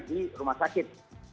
di rumah sakit